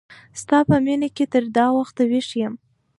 ستا په مینه کی تر دا وخت ویښ یم